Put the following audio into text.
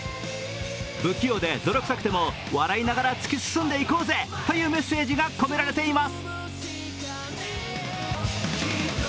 不器用で泥臭くても笑いながら突き進んでいこうぜというメッセージが込められています。